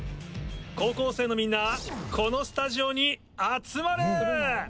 高校生のみんなこのスタジオに集まれ！